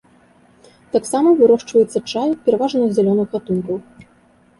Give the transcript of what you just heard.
Таксама вырошчваецца чай, пераважна зялёных гатункаў.